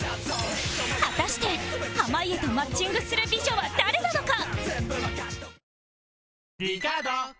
果たして濱家とマッチングする美女は誰なのか？